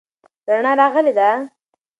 رڼا راغلې ده.